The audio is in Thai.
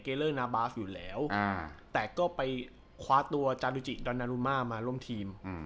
เลอร์นาบาฟอยู่แล้วแต่ก็ไปคว้าตัวจารุจิดอนนารุมามาร่วมทีม